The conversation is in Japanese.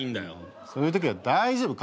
そういうときは大丈夫。